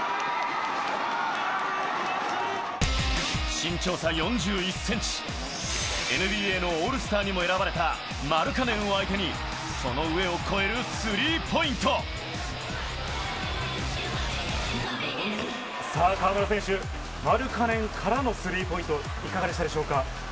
身長差４１センチ、ＮＢＡのオールスターにも選ばれたマルカネンを相手に、さあ、河村選手、マルカネンからのスリーポイントシュート、いかがでしたでしょうか。